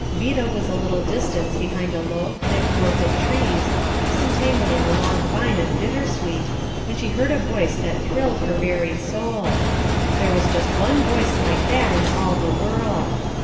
Vida was a little distance behind a low, thick growth of trees, disentangling a long vine of bitter sweet, when she heard a voice that thrilled her very soul. There was just one voice like that in all the world.